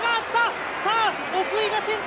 奥井が先頭！